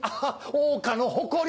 桜花の誇り！